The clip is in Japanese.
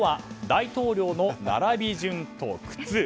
大統領の並び順と靴。